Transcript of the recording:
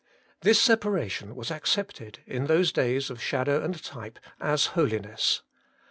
This separation was accepted, in those days of shadow and type, as holiness.